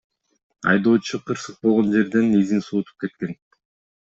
Айдоочу кырсык болгон жерден изин суутуп кеткен.